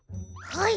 はい！